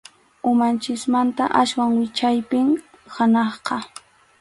Umanchikmanta aswan wichaypim hanaqqa.